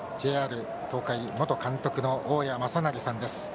東海元監督の大矢正成さんです。